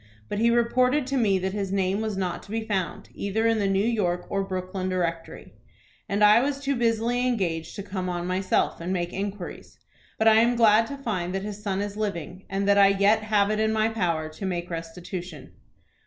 But he reported to me that his name was not to be found either in the New York or Brooklyn Directory, and I was too busily engaged to come on myself, and make inquiries. But I am glad to find that his son is living, and that I yet have it in my power to make restitution."